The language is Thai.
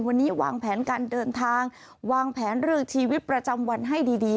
วันนี้วางแผนการเดินทางวางแผนเรื่องชีวิตประจำวันให้ดี